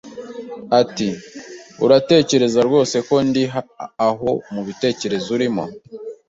Ati: "Uratekereza rwose ko ndi aho mubitekerezo urimo